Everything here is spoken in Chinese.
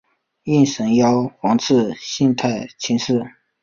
应神天皇赐姓太秦氏。